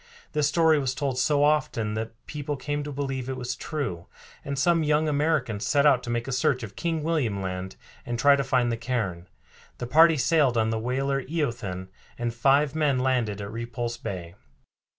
This story was told so often that people came to believe it was true, and some young Americans set out to make a search of King William Land and try to find the cairn. The party sailed on the whaler Eothen, and five men landed at Repulse Bay.